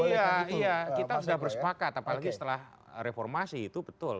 oh iya iya kita sudah bersepakat apalagi setelah reformasi itu betul